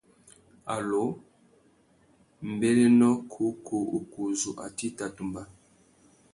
Allô ; mbérénô kǔkú ukú uzu, atê i tà tumba ?